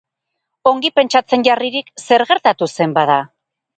Ongi pentsatzen jarririk, zer gertatu zen, bada?